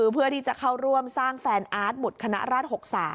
เพื่อที่จะเข้าร่วมสร้างแฟนอาร์ตหุดคณะราช๖๓